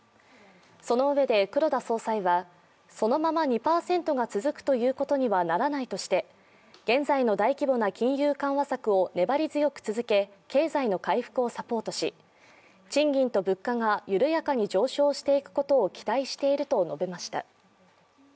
そのうえで黒田総裁は、そのまま２％が続くということにはならないとして、現在の大規模な金融緩和策を粘り強く続け経済の回復をサポートし、賃金と物価が緩やかに上昇していくことを期待していると述べました。